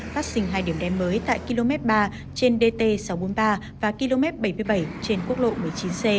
phát sinh hai điểm đen mới tại km ba trên dt sáu trăm bốn mươi ba và km bảy mươi bảy trên quốc lộ một mươi chín c